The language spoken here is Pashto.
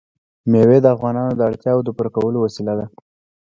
مېوې د افغانانو د اړتیاوو د پوره کولو وسیله ده.